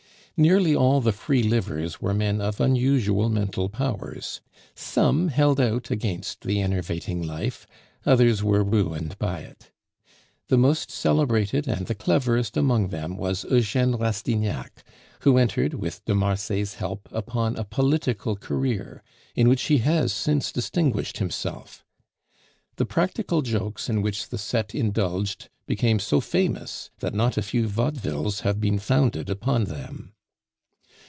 Nearly all the "free livers" were men of unusual mental powers; some held out against the enervating life, others were ruined by it. The most celebrated and the cleverest among them was Eugene Rastignac, who entered, with de Marsay's help, upon a political career, in which he has since distinguished himself. The practical jokes, in which the set indulged became so famous, that not a few vaudevilles have been founded upon them.